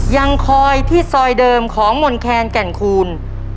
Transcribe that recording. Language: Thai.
ยังคอยที่ซอยเดิมของมนแคนแก่นคูณ